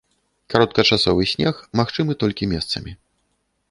Кароткачасовы снег магчымы толькі месцамі.